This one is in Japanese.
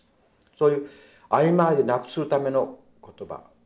そういうあいまいでなくするための言葉。